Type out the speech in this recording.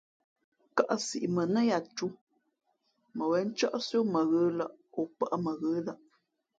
Kα̌ʼ siʼ mα nά ya tū, mα wěn cάꞌsi ó mα ghə̌lᾱꞌ,o pάʼ mα ghə̌lᾱꞌ.